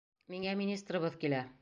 Миңә министрыбыҙ килә.